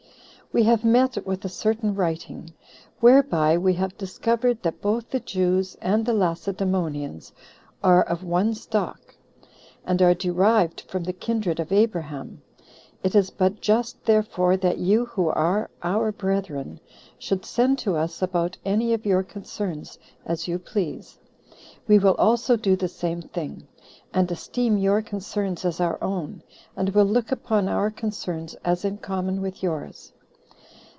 "We have met with a certain writing, whereby we have discovered that both the Jews and the Lacedemonians are of one stock, and are derived from the kindred of Abraham 14 It is but just therefore that you, who are our brethren, should send to us about any of your concerns as you please. We will also do the same thing, and esteem your concerns as our own, and will look upon our concerns as in common with yours.